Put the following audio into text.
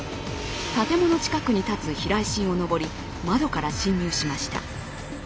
建物近くに立つ避雷針を登り窓から侵入しました。